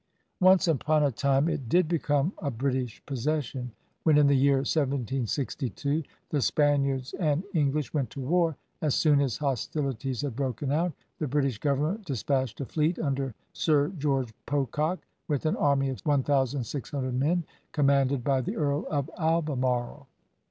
Once upon a time it did become a British possession. When in the year 1762 the Spaniards and English went to war, as soon as hostilities had broken out, the British government despatched a fleet under Sir George Pocock, with an army of 1600 men, commanded by the Earl of Albemarle.